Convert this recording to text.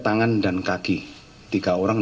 tangan dan kaki tiga orang